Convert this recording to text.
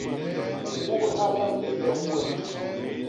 U hubha bañ me ntoñ wem.